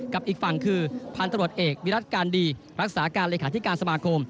อีกฝั่งคือพันตรวจเอกวิรัติการดีรักษาการเลขาธิการสมาคม